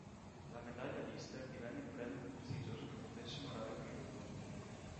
La medaglia Lister divenne il premio più prestigioso che potesse onorare un chirurgo.